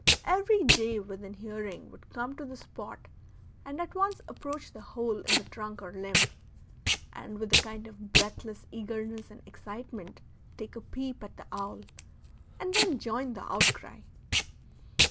Every jay within hearing would come to the spot and at once approach the hole in the trunk or limb, and with a kind of breathless eagerness and excitement take a peep at the owl, and then join the outcry.